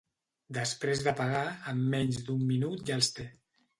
Després de pagar, en menys d’un minut ja els té.